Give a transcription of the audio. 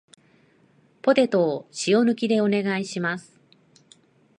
ポテトを塩抜きでお願いします